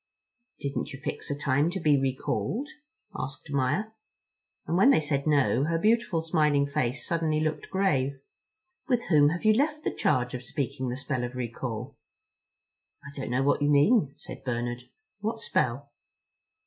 "Didn't you fix a time to be recalled?" asked Maia. And when they said no, her beautiful smiling face suddenly looked grave. "With whom have you left the charge of speaking the spell of recall?" "I don't know what you mean," said Bernard. "What spell?"